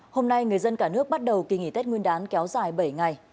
hôm nay người dân cả nước bắt đầu kỳ nghỉ tết nguyên đán kéo dài bảy ngày